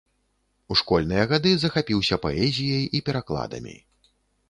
У школьныя гады захапіўся паэзіяй і перакладамі.